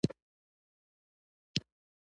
داسې کار به وکړو چې زه سپی پیدا کوم.